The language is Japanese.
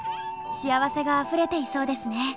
幸せがあふれていそうですね。